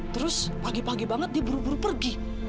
terus pagi pagi banget dia buru buru pergi